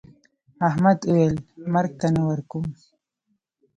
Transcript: احمد وويل: مرگ ته نه ورکوم.